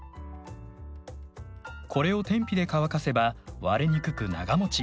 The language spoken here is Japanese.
これを天日で乾かせば割れにくく長もち。